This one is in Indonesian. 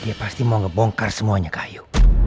dia pasti mau ngebongkar semuanya kayu